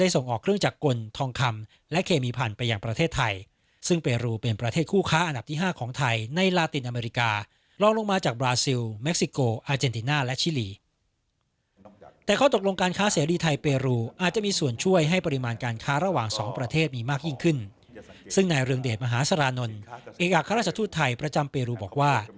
ซึ่งในเรื่องเดชน์มหาสรานลเอกอักษรศูนย์ไทยประจำเปรียรูปบอกว่า